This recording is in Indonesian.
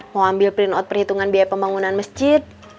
mau ambil print out perhitungan biaya pembangunan masjid